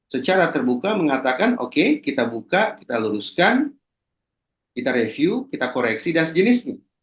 secara terbuka mengatakan oke kita buka kita luruskan kita review kita koreksi dan sejenisnya